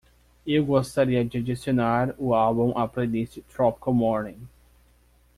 Eu gostaria de adicionar o álbum à playlist Tropical Morning.